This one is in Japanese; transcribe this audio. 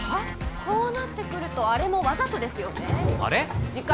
こうなってくるとアレもわざとですよね？